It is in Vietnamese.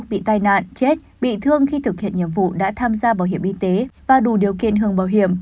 bị tai nạn chết bị thương khi thực hiện nhiệm vụ đã tham gia bảo hiểm y tế và đủ điều kiện hưởng bảo hiểm